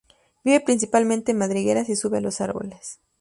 Vive principalmente en madrigueras y sube a los árboles.